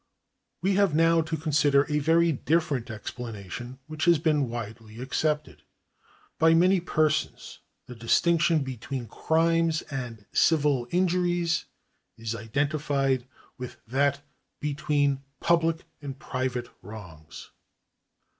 We have now to consider a very different explanation which has been widely accepted. By many persons the distinction between crimes and civil injuries is identified with that between public and private wrongs.